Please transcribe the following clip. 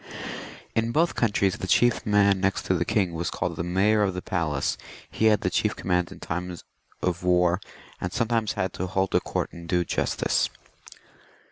In both countries the chief man next to the king was called the Mayor of the Palace; he had the chief command in time of war, and sometimes had to hold a court and do justice.